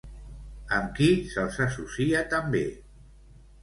Amb qui se'ls associa també?